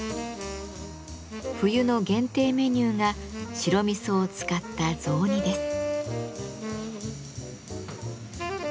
冬の限定メニューが白味噌を使った雑煮です。